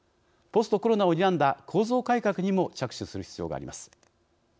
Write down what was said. ポストコロナをにらんだ構造改革にも着手する必要があります。